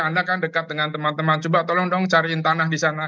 anda kan dekat dengan teman teman coba tolong dong cariin tanah di sana